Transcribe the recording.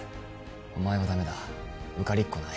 「お前はダメだ受かりっこない」